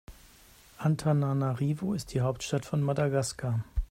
Antananarivo ist die Hauptstadt von Madagaskar.